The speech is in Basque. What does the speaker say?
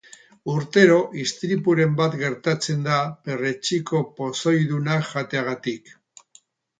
Urtero istripuren bat gertatzen da perretxiko pozoidunak jateagatik.